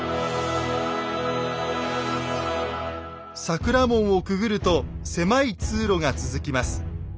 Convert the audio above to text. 桜門をくぐると狭い通路が続きます。